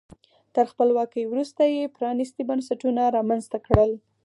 تر خپلواکۍ وروسته یې پرانیستي بنسټونه رامنځته کړل.